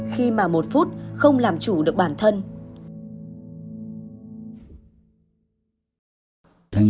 khi mà một phút không làm chủ được bản thân